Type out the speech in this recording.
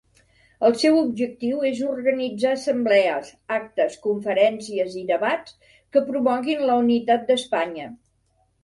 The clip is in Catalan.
El seu objectiu és organitzar assemblees, actes, conferències i debats que promoguin la unitat d'Espanya.